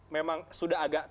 memang sudah agak